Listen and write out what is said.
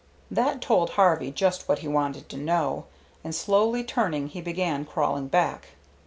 That told Harvey just what he wanted to know, and slowly turning he began crawling back.